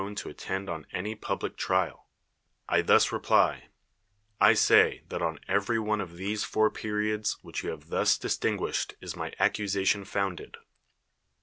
n to attend on any public trial) I thus reply: I say, that on every one of these four periods which you have thus distinguished is my accusation founded.